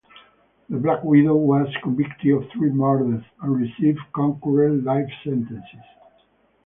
The Black Widow was convicted of three murders and received concurrent life sentences.